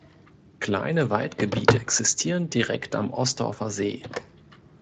Kleine Waldgebiete existieren direkt am Ostorfer See.